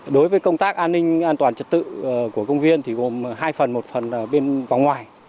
đối với công tác an ninh an toàn trật tự của công viên thì gồm hai phần một phần là bên vòng ngoài